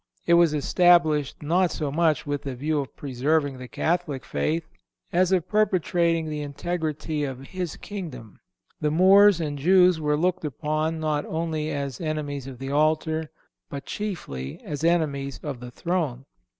It was established, not so much with the view of preserving the Catholic faith, as of perpetuating the integrity of his kingdom. The Moors and Jews were looked upon not only as enemies of the altar, but chiefly as enemies of the throne.